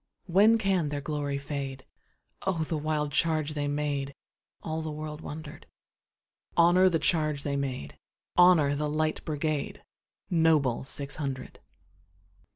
When can their glory fade?O the wild charge they made! All the world wonder'd. Honor the charge they made! Honor the Light Brigade, Noble six hundred!